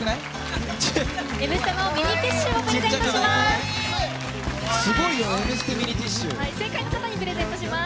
「Ｍステ」のミニティッシュをプレゼントします。